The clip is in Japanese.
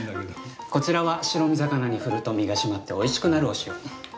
こちらは白身魚に振ると身が締まっておいしくなるお塩。